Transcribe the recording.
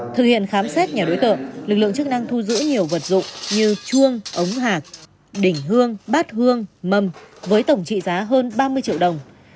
thực hiện khám xét nhà đối tượng lực lượng chức năng thu giữ nhiều vật dụng như chuông ống hạc đỉnh hương bát hương mâm với tổng trị giá hơn ba mươi triệu đồng